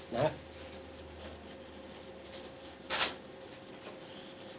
นะครับ